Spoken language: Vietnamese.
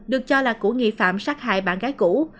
được cho là của nghi phạm sát hại bạn gái cũ